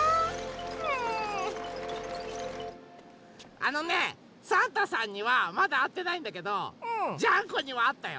あのねサンタさんにはまだあってないんだけどジャンコにはあったよ。